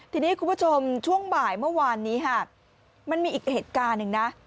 ทีนี้คุณผู้ชมช่วงบ่ายเมื่อวานนี้ค่ะมันมีอีกเหตุการณ์หนึ่งนะ